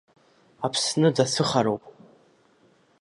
Аԥсны дацәыхароуп…